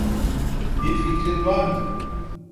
Bir fikrin var mı?